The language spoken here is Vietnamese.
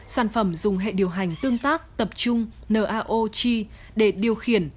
sản phẩm dùng hệ điều hành tương tác tập trung nao g để điều khiển